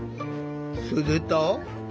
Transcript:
すると。